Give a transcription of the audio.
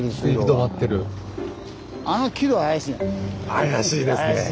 怪しいですね！